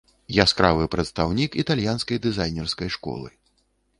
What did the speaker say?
Яскравы прадстаўнік італьянскай дызайнерскай школы.